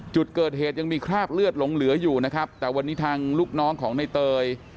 จุดเกิดเหตุยังมีคราบเลือดหลงเหลืออยู่นะครับแต่วันนี้ทางลูกน้องของในเตย